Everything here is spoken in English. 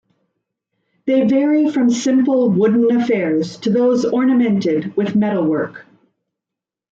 They vary from simple, wooden affairs, to those ornamented with metalwork.